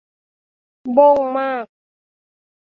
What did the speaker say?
บ๊งมาก